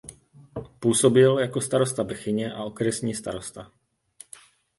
Působil jako starosta Bechyně a okresní starosta.